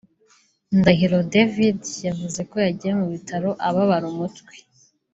Ndahiro David yavuze ko yagiye mu bitaro ababara umutwe